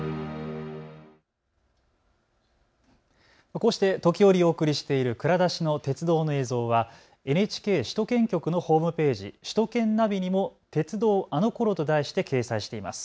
こうして時折、お送りしている蔵出しの鉄道の映像はＮＨＫ首都圏局のホームページ、首都圏ナビにも鉄道あの頃と題して掲載しています。